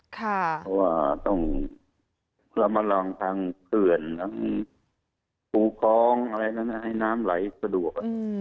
ถ้าต้องประมาณทางเผื่อนปูคล้องอะไรอย่างนั้นให้น้ำไหลสะดวก